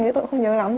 tôi cũng không nhớ lắm